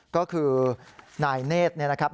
ก็คือนายเนธเนี่ยนะครับ